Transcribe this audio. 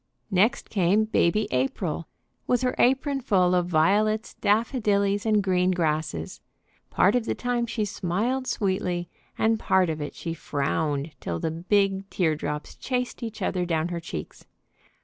Next came Baby April with her apron full of violets, daffodillies, and green grasses. Part of the time she smiled sweetly, and part of it she frowned till the big tear drops chased each other down her cheeks.